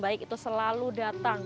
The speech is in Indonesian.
baik itu selalu datang